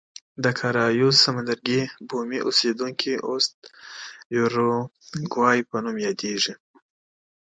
د کارایوس سمندرګي بومي اوسېدونکي اوس د یوروګوای په نوم یادېږي.